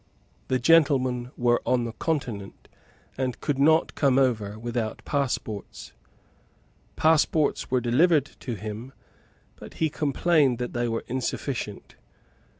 The gentlemen were on the Continent, and could not come over without passports. Passports were delivered to him; but he complained that they were insufficient.